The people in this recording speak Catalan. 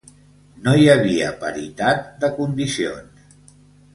No hi havia paritat de condicions.